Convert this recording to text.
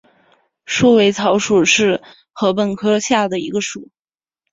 束尾草属是禾本科下的一个属。